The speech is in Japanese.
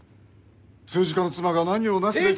政治家の妻が何をなすべきか。